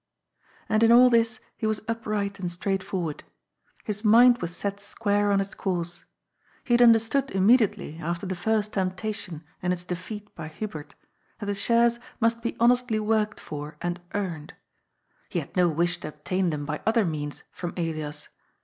And in all this he was upright and straightforward. His mind was set square on its course. He had understood im mediately, after the first temptation and its defeat by Hubert, that the shares must be honestly worked for and earned. He had no wish to obtain them by other means from Elias.